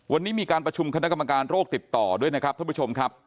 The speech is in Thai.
วันนี้มีการประชุมคณะกรรมการโรคติดต่อด้วยนะครับท่านผู้ชมครับ